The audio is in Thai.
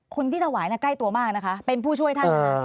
คนที่ถวายใกล้ตัวมากนะคะเป็นผู้ช่วยท่านนะคะ